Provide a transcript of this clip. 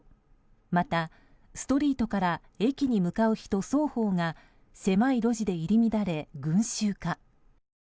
またストリートから駅に向かう人双方が狭い路地で入り乱れ群衆化。